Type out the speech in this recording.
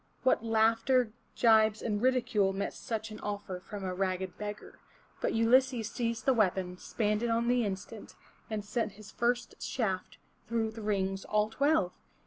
What laughter, gibes and ridicule met such an offer from a ragged beggar ! But Ulysses seized the weapon, spanned it on the instant, and sent his first shaft through the rings all twelve!